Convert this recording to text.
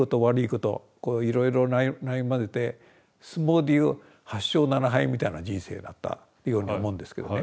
こういろいろないまぜて相撲で言う８勝７敗みたいな人生だったように思うんですけどね。